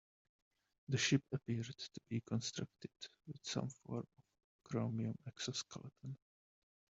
The ship appeared to be constructed with some form of chromium exoskeleton.